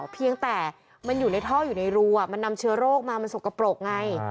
เพียงแต่มันอยู่ในท่ออยู่ในรูมันนำเชื้อโรคมามันสกปรกไง